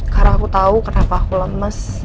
karena aku tahu kenapa aku lemes